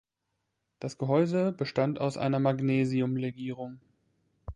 Das Gehäuse bestand aus einer Magnesium-Legierung.